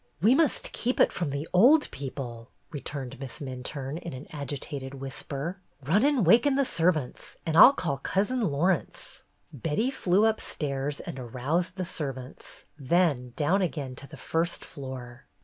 "We must keep it from the old people," 136 BETTY BAIRD'S GOLDEN YEAR returned Miss Minturne in an agitated whis per. "Run and waken the servants and Fll call Cousin Laurence.'' Betty flew upstairs and aroused the ser vants, then down again to the first floor.